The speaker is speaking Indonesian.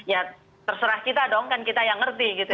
ya terserah kita dong kan kita yang ngerti gitu